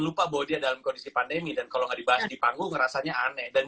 lupa bahwa dia dalam kondisi pandemi dan kalau nggak dibahas di panggung rasanya aneh dan